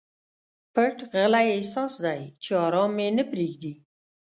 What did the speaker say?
پټ غلی احساس دی چې ارام مي نه پریږدي.